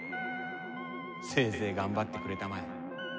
せいぜい頑張ってくれたまえ。